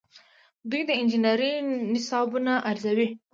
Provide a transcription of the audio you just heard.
دوی د انجنیری نصابونه ارزوي.